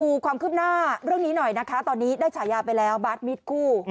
ความคืบหน้าเรื่องนี้หน่อยนะคะตอนนี้ได้ฉายาไปแล้วบาร์ดมิดคู่